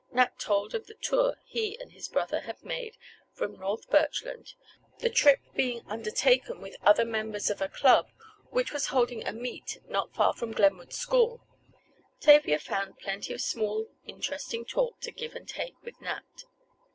Nat told of the tour he and his brother had made from North Birchland, the trip being undertaken with other members of a club, which was holding a meet not far from Glenwood School. Tavia found plenty of small interesting talk to "give and take" with Nat.